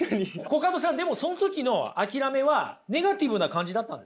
コカドさんでもその時の諦めはネガティブな感じだったんですか？